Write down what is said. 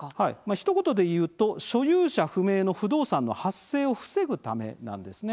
ひと言で言うと所有者不明の不動産の発生を防ぐためなんです。